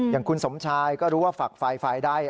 อย่างคุณสมชายก็รู้ว่าฝักฝ่ายฝ่ายใด